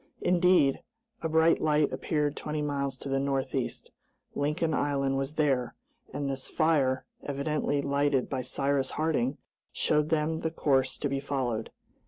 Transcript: Indeed, a bright light appeared twenty miles to the northeast. Lincoln Island was there, and this fire, evidently lighted by Cyrus Harding, showed them the course to be followed.